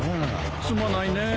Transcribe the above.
すまないねえ。